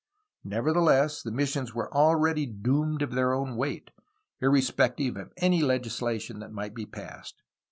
Nevertheless, the missions were already doomed of their own weight, irrespective of any legislation that might be passed.